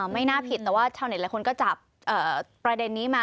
ไม่น่าผิดแต่ว่าชาวเน็ตหลายคนก็จับประเด็นนี้มา